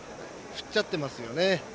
振っちゃってますよね。